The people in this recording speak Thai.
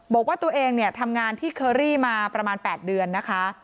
บอกว่าตัวเองเนี่ยทำงานที่เคอรี่มาประมาณ๘เดือนนะคะ